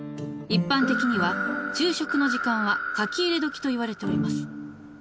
一般的には昼食の時間はかきいれ時といわれております